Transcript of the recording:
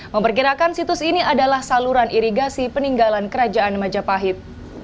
memperkirakan situs ini adalah saluran irigasi peninggalan kerajaan majapahit